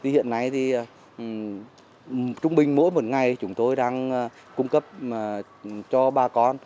hiện nay trung bình mỗi một ngày chúng tôi đang cung cấp cho bà con